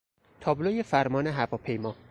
تابلوی فرمان هواپیما